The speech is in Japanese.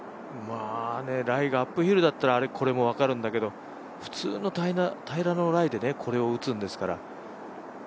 ライがアップヒルだったらこれも分かるんだけど普通の平らのライでこれを打つんですから。